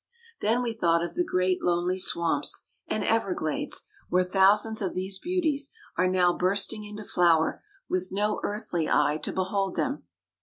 Then we thought of the great lonely swamps and everglades where thousands of these beauties are now bursting into flower with no earthly eye to behold them.